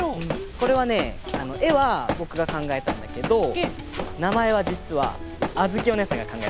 これはねえはぼくがかんがえたんだけどなまえはじつはあづきおねえさんがかんがえたの。